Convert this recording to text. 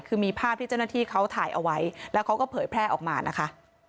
คือมีภาพที่เจ้าหน้าที่เขาถ่ายเอาไว้แล้วเขาก็เผยแพร่ออกมานะคะ